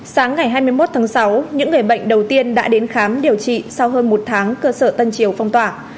sáng ngày hai mươi một tháng sáu những người bệnh đầu tiên đã đến khám điều trị sau hơn một tháng cơ sở tân triều phong tỏa